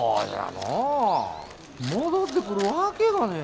戻ってくるわけがねえが。